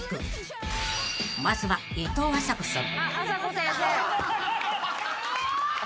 ［まずはいとうあさこさん］